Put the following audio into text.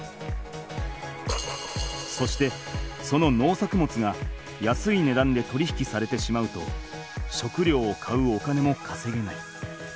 そしてその農作物が安い値段で取り引きされてしまうと食料を買うお金もかせげない。